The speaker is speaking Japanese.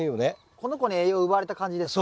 この子に栄養奪われた感じですか？